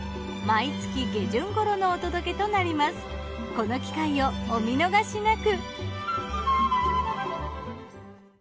この機会をお見逃しなく。